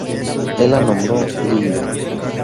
Él la nombró Lilith.